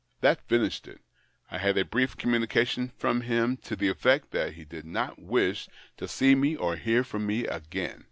That finished it. I had a brief communication from him to the effect that he did not wish to see me or hear from me again.